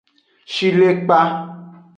Shilekpa.